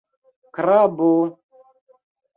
Krabo...